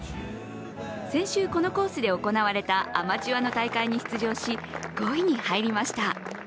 先週、このコースで行われたアマチュアの大会に出場し、５位に入りました。